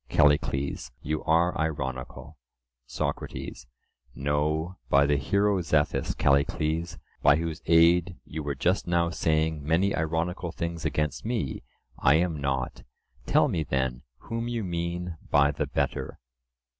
CALLICLES: You are ironical. SOCRATES: No, by the hero Zethus, Callicles, by whose aid you were just now saying many ironical things against me, I am not:—tell me, then, whom you mean, by the better?